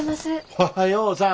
おはようさん。